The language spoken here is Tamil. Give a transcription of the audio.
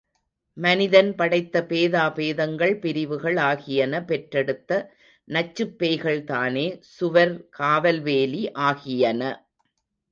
மனிதன் படைத்த பேதா பேதங்கள் பிரிவுகள் ஆகியன பெற்றெடுத்த நச்சுப் பேய்கள்தானே சுவர் காவல் வேலி ஆகியன.